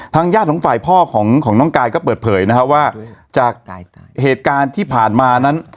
ญาติของฝ่ายพ่อของน้องกายก็เปิดเผยนะครับว่าจากเหตุการณ์ที่ผ่านมานั้น